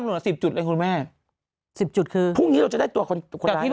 หมดสิบจุดเลยคุณแม่สิบจุดคือพรุ่งนี้เราจะได้ตัวคนคนร้าย